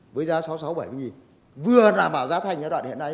với giá sáu bảy vừa đảm bảo giá thành ở đoạn hiện nay